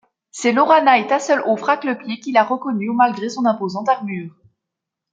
C'est Laurana et Tasslehoff Raclepieds qui la reconnurent malgré son imposante armure.